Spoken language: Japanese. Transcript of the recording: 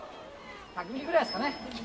１００ミリぐらいですかね。